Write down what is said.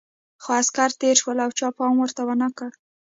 خو عسکر تېر شول او چا پام ورته ونه کړ.